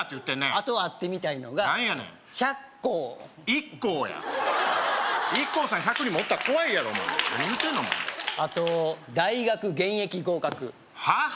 あと会ってみたいのが何やねんヒャッコーＩＫＫＯやＩＫＫＯさん１００人もおったら怖いやろお前何言うてんのお前あと大学現役合格はあ？